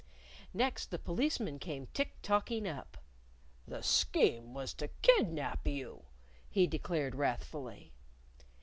Next, the Policeman came tick tocking up. "The scheme was to kidnap you," he declared wrathfully.